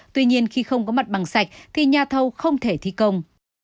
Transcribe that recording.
tuy nhiên khi không có mặt bằng sạch thì nhà thầu không thể thi công